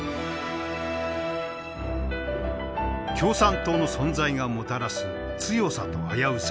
共産党の存在がもたらす強さと危うさ。